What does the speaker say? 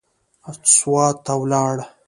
سوات ته ولاړ.